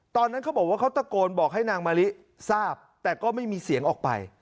ตอนนั้นเขาบอกว่าเขาตะโกนบอกให้นางมะลิทราบแต่ก็ไม่มีเสียงออกไป